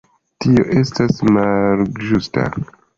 Tio estas malĝusta.